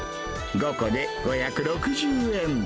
５個で５６０円。